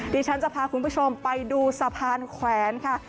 ดิฉันจะพาคุณผู้ชมไปดูสะพานแขวนค่ะ